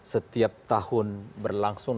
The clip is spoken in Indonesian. setiap tahun berlangsung